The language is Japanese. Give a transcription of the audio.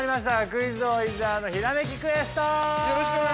クイズ王・伊沢のひらめきクエスト！